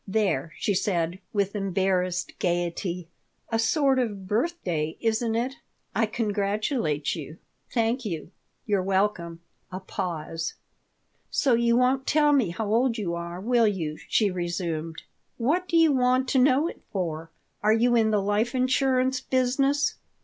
There!" she said, with embarrassed gaiety. "A sort of birthday, isn't it? I congratulate you." "Thank you." "You're welcome." A pause "So you won't tell me how old you are, will you?" she resumed "What do you want to know it for? Are you in the life insurance business?"